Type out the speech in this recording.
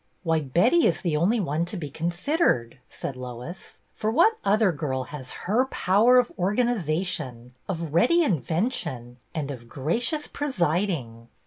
" Why, Betty is the only one to be con sidered," said Lois, " for what other girl has her power of organization, of ready invention, and of gracious presiding